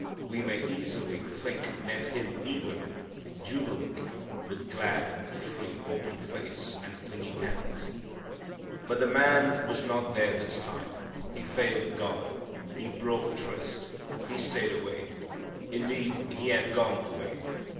We may easily think met Him eagerly, jubilantly, with glad, free, open face and clinging hands. But the man was not there this time. He failed God. He broke tryst. He stayed away. Indeed he had gone away.